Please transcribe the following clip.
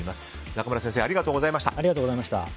中村先生ありがとうございました。